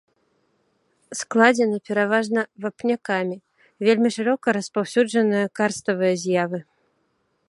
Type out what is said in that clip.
Складзены пераважна вапнякамі, вельмі шырока распаўсюджаныя карставыя з'явы.